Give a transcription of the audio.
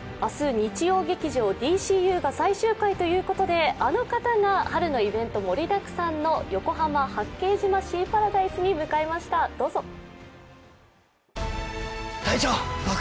明日、日曜劇場「ＤＣＵ」が最終回ということで、あの方が春のイベント盛りだくさんの横浜・八景島シーパラダイスに向かいました、どうぞ。